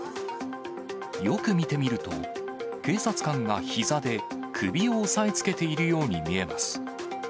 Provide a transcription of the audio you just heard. よく見てみると、警察官がひざで首を押さえつけているように見えます。